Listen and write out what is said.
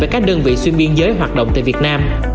với các đơn vị xuyên biên giới hoạt động tại việt nam